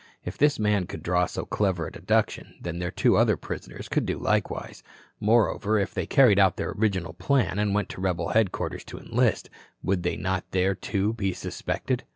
If this man could draw so clever a deduction, then their two other prisoners could do likewise. Moreover, if they carried out their original plan and went to rebel headquarters to enlist, would they not there, too, be suspected?